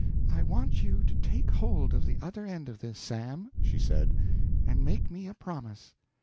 "I want you to take hold of the other end of this, Sam," she said, "and make me a promise."